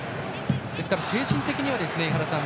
ですから精神的には、井原さん